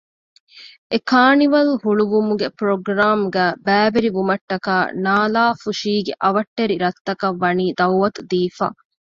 އެކާނިވަލް ހުޅުވުމުގެ ޕްރޮގްރާމްގައި ބައިވެރިވުމަށްޓަކާ ނާލާފުށީގެ އަވަށްޓެރި ރަށްތަކަށް ވަނީ ދައުވަތު ދީފަ